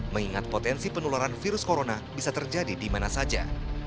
mengingat potensi penularan virus corona bisa terjadi di mana saja